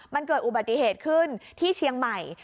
มันเกิดอุบัติเหตุขึ้นที่เชียงใหม่